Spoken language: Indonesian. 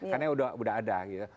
karena udah ada gitu